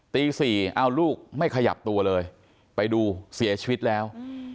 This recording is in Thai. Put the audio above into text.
ตี๔เอาลูกไม่ขยับตัวเลยไปดูเสียชีวิตแล้ว